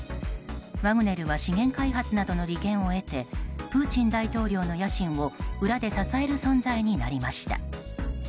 ワグネルは資源開発などの利権を得てプーチン大統領の野心を裏で支える存在になりました。